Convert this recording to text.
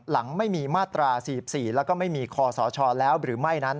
หลังไม่มีมาตรา๔๔แล้วก็ไม่มีคอสชแล้วหรือไม่นั้น